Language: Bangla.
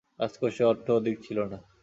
রাজকোষে অর্থ অধিক ছিল না।